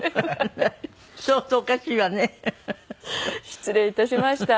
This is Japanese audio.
失礼いたしました。